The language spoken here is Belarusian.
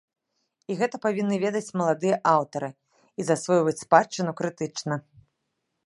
І гэта павінны ведаць маладыя аўтары і засвойваць спадчыну крытычна.